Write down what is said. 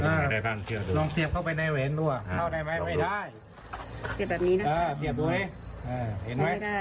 เข้าได้ไหมไม่ได้เสียบแบบนี้นะคะอ่าเสียบด้วยอ่าเห็นไหมไม่ได้